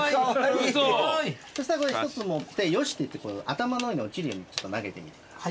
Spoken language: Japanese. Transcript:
そしたらこれ１つ持って「よし」って言って頭の上に落ちるように投げてみてください。